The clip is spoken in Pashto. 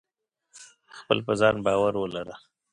خپل په ځان باور ولره !